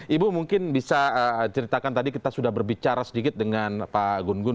ibu mungkin bisa ceritakan tadi kita sudah berbicara sedikit dengan pak gun gun